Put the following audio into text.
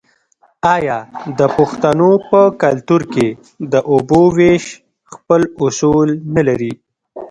آیا د پښتنو په کلتور کې د اوبو ویش خپل اصول نلري؟